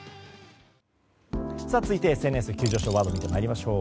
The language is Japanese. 続いてＳＮＳ急上昇ワードを見ていきます。